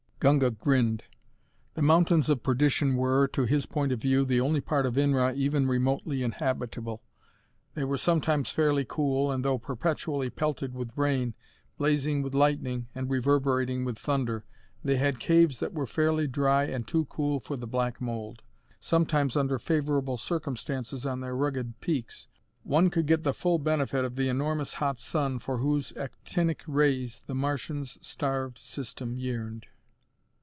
Gunga grinned. The Mountains of Perdition were, to his point of view, the only part of Inra even remotely inhabitable. They were sometimes fairly cool, and though perpetually pelted with rain, blazing with lightning and reverberating with thunder, they had caves that were fairly dry and too cool for the black mold. Sometimes, under favorable circumstances on their rugged peaks, one could get the full benefit of the enormous hot sun for whose actinic rays the Martian's starved system yearned.